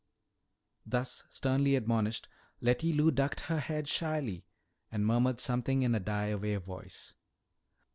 _"] Thus sternly admonished, Letty Lou ducked her head shyly and murmured something in a die away voice.